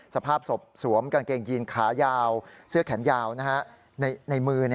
สภาพศพสวมกางเกงยีนขายาวเสื้อแขนยาวในมือ